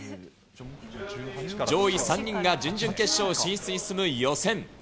上位３人が準々決勝進出に進む予選。